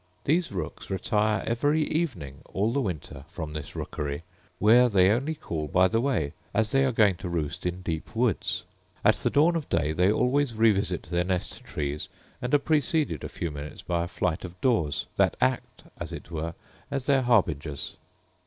These rooks retire every evening all the winter from this rookery, where they only call by the way, as they are going to roost in deep woods: at the dawn of day they always revisit their nest trees, and are preceded a few minutes by a flight of daws, that act, as it were, as their harbingers.